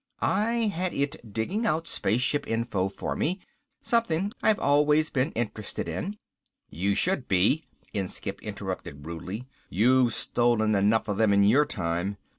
I had it digging out spaceship info for me, something I have always been interested in " "You should be," Inskipp interrupted rudely. "You've stolen enough of them in your time."